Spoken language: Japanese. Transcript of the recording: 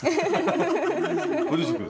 ご住職。